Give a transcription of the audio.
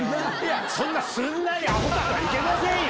そんなすんなりアホか！とは行けませんよ。